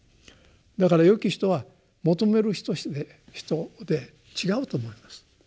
だから「よき人」は求める人で違うと思います。